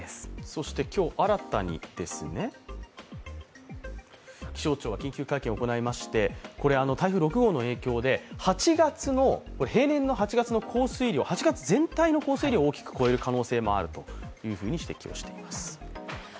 そして今日、新たにですね、気象庁が緊急会見を行いまして台風６号の影響で８月の降水量、８月全体の降水量が大きく超える可能性もあると指摘をしています。